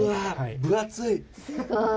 分厚い！